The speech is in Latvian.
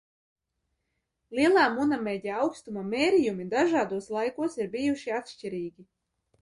Lielā Munameģa augstuma mērījumi dažādos laikos ir bijuši atšķirīgi.